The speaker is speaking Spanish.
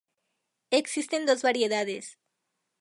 Existen dos variedades.